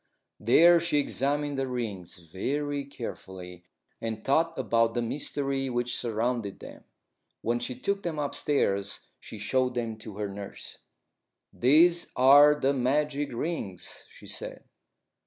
There she examined the rings very carefully, and thought about the mystery which surrounded them. When she took them upstairs she showed them to her nurse. "These are the magic rings," she said.